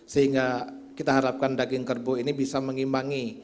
sehingga kita harapkan daging kerbo ini bisa mengimbangi